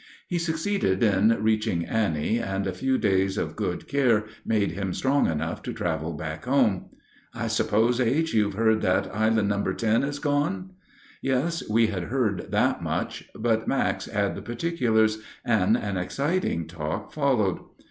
He succeeded in reaching Annie, and a few days of good care made him strong enough to travel back home. "I suppose, H., you've heard that Island No. 10 is gone?" Yes, we had heard that much, but Max had the particulars, and an exciting talk followed.